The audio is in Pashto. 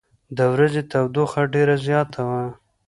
د ورځې تودوخه ډېره زیاته وه.